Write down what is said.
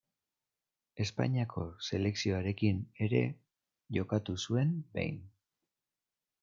Espainiako selekzioarekin ere jokatu zuen behin.